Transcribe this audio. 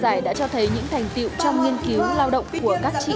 giải đã cho thấy những thành tiệu trong nghiên cứu lao động của các chị